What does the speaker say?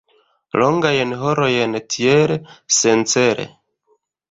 Longajn horojn tiel, sencele.